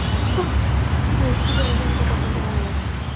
শুধু এইটুকু জানি যে, আমি তাকে অত্যন্ত ভালবাসি।